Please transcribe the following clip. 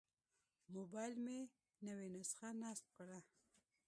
موبایل مې نوې نسخه نصب کړه.